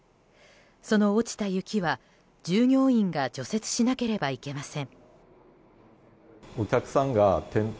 その落ちた雪は従業員が除雪しなければいけません。